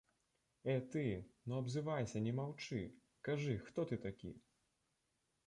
Э ты, ну абзывайся, не маўчы, кажы, хто ты такі?!